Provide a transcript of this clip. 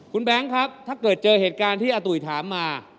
คุณแบงค์ครับถ้าเกิดเจอเหตุการณ์ที่อาตุ๋ยถามมา